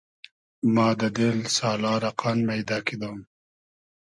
ما دۂ دیل سالا رۂ قان مݷدۂ کیدۉم